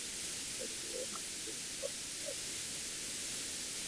সহজ ক্যাচটি প্রথম স্লিপে দাঁড়ানো হাফিজের হাত কীভাবে ফসকাল, সেটি বিস্ময়ই জাগাল।